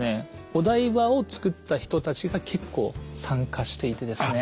お台場を造った人たちが結構参加していてですね。